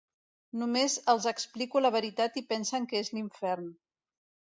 Només els explico la veritat i pensen que és l'Infern.